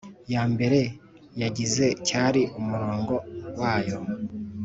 Ya mbere yagize cyari umurongo wayo